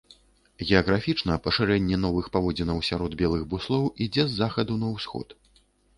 Геаграфічна пашырэнне новых паводзінаў сярод белых буслоў ідзе з захаду на ўсход.